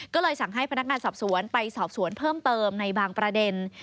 ก็เลยสั่งให้พนักงานสอบสวนไปสอบสวนเพิ่มเติมในบางประเด็น